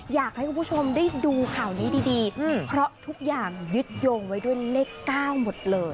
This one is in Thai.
อยากให้คุณผู้ชมได้ดูข่าวนี้ดีเพราะทุกอย่างยึดโยงไว้ด้วยเลข๙หมดเลย